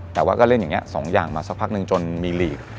แต่ว่าก็เล่นอย่างนี้๒อย่างมาสักพักหนึ่งจนมีลีก